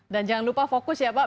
dan jangan lupa fokus ya pak